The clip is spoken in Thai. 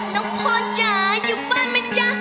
น้องพรจ๋าอยู่บ้านไหมจ๊ะ